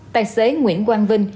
tài xế nguyễn quang vinh